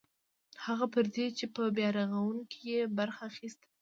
هغه پردي چې په بیارغاونه کې یې برخه اخیستې ده.